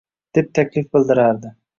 deb taklif bildirardi.